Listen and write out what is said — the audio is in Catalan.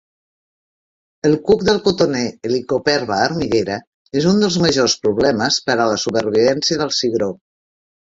El cuc del cotoner "Helicoverpa armigera" és un dels majors problemes per a la supervivència del cigró.